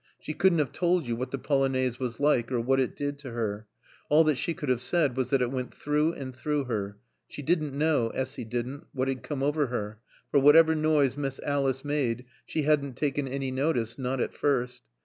She couldn't have told you what the Polonaise was like or what it did to her; all that she could have said was that it went through and through her. She didn't know, Essy didn't, what had come over her; for whatever noise Miss Alice made, she hadn't taken any notice, not at first.